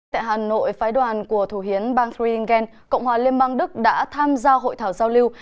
tại hà nội phái đoàn của thủ hiến bang fringen cộng hòa liên bang đức đã tham gia hội thảo giao lưu